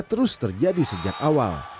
terus terjadi sejak awal